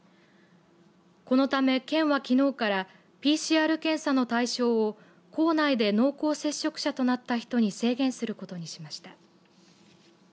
このため、県はきのうからＰＣＲ検査の対象を校内で濃厚接触者となった人に制限することにしました。